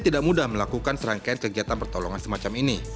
tidak mudah melakukan serangkaian kegiatan pertolongan semacam ini